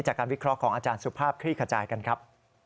จากการวิเคราะห์ของอาจารย์สุภาพคลี่ขจายกันครับ